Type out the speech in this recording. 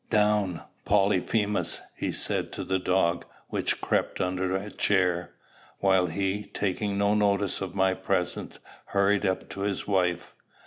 "Down, Polyphemus!" he said to the dog, which crept under a chair; while he, taking no notice of my presence, hurried up to his wife.